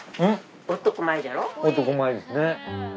男前ですね。